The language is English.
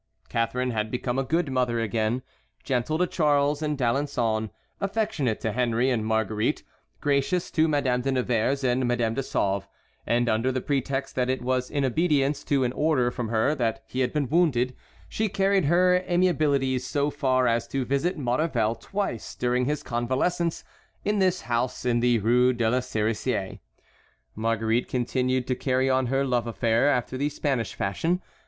Catharine had become a good mother again. Gentle to Charles and D'Alençon, affectionate to Henry and Marguerite, gracious to Madame de Nevers and Madame de Sauve; and under the pretext that it was in obedience to an order from her that he had been wounded, she carried her amiabilities so far as to visit Maurevel twice during his convalescence, in his house in the Rue de la Cerisaie. Marguerite continued to carry on her love affair after the Spanish fashion.